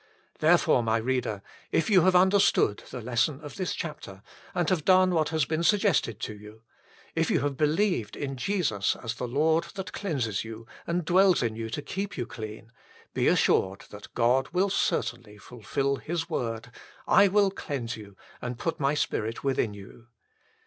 Therefore, my reader, if you have understood the HOW IT IS TO BE FOUND BY ALL 163 lesson of this chapter, and have done what has been suggested to you ; if you have believed in Jesus as the Lord that cleanses you and dwells in you to keep you clean, be assured that God will certainly fulfil His word :" I will cleanse you and put My Spirit within you."